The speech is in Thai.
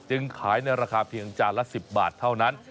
ขายในราคาเพียงจานละ๑๐บาทเท่านั้น